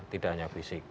tidak hanya fisik